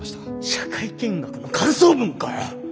社会見学の感想文かよ！